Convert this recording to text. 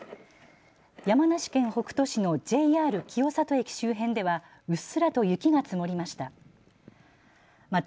山梨県北杜市のＪＲ清里駅周辺ではうっすらと雪が積もりました。